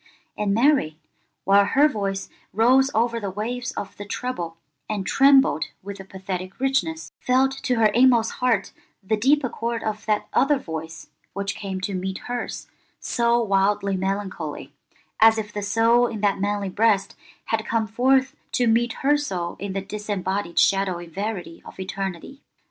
And Mary, while her voice rose over the waves of the treble, and trembled with a pathetic richness, felt to her inmost heart the deep accord of that other voice which came to meet hers so wildly melancholy, as if the soul in that manly breast had come forth to meet her soul in the disembodied shadowy verity of eternity.